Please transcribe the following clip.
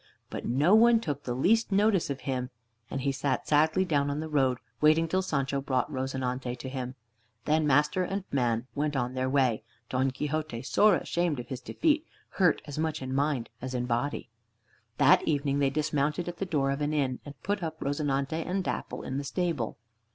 But no one took the least notice of him, and he sat sadly down on the road, waiting till Sancho brought "Rozinante" to him. Then master and man went on their way, Don Quixote sore ashamed of his defeat, hurt as much in mind as in body. That evening they dismounted at the door of an inn, and put up "Rozinante" and "Dapple" in the stable.